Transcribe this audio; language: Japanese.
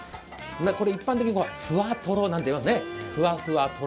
一般的にこれ、ふわとろなんて言いますよね。